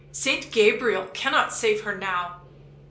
Saint Gabriel cannot save her now